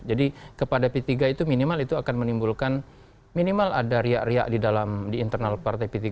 jadi kepada p tiga itu minimal itu akan menimbulkan minimal ada riak riak di dalam di internal partai p tiga